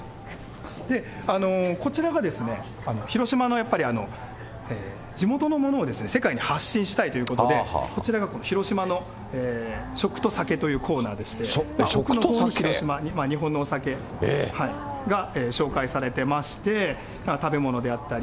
で、こちらが広島のやっぱり地元のものを世界に発信したいということで、こちらが広島の食と酒というコーナーでして、日本のお酒が紹介されてまして、食べ物であったり。